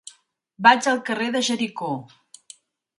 Vaig al carrer de Jericó.